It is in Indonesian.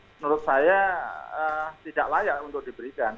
menurut saya tidak layak untuk diberikan